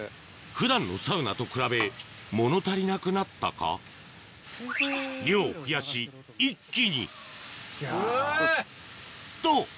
普段のサウナと比べ物足りなくなったか量を増やし一気にうわ。と！